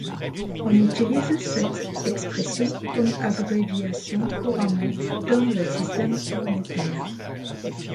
On utilise cette expression comme abréviation, couramment dans le système monétaire.